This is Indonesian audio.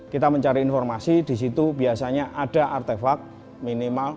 kita mencari informasi disitu biasanya ada artefak minimal